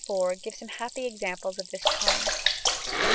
218 231) give some happy examples of this time.